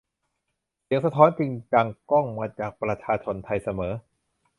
เสียงสะท้อนจึงดังก้องมาจากประชาชนไทยเสมอ